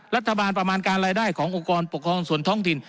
ประมาณการรายได้ขององค์กรปกครองส่วนท้องถิ่น